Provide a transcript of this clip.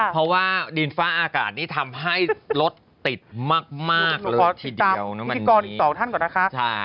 เพราะว่าดินฟ้าอากาศทำให้รถติดมากเลยทีเดียว